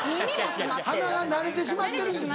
鼻が慣れてしまってる。